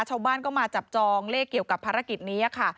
ชาวบ้านก็มาจับจองเลขเกี่ยวกับภารกิจนี้ค่ะ